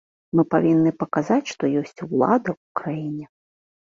Мы павінны паказаць, што ёсць ўлада ў краіне.